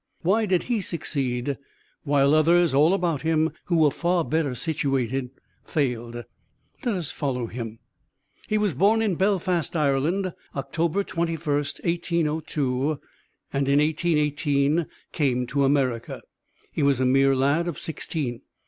Why did he succeed, while others all about him who were far better situated, failed? Let us follow him: He was born at Belfast, Ireland, October 21st, 1802, and in 1818 came to America. He was a mere lad of sixteen.